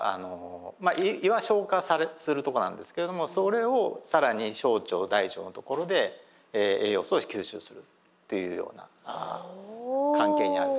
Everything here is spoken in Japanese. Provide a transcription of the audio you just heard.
まあ胃は消化するとこなんですけれどもそれを更に小腸大腸のところで栄養素を吸収するというような関係にあると。